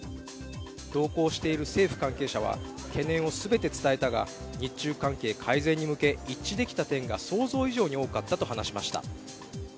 同行している政府関係者は懸念を全て伝えたが日中関係改善に向け一致できた点が想像以上に多かったと話しました。